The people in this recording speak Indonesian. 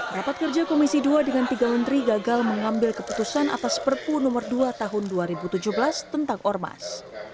rapat kerja komisi dua dengan tiga menteri gagal mengambil keputusan atas perpu nomor dua tahun dua ribu tujuh belas tentang ormas